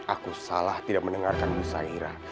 aku salah tidak mendengarkan bu sairah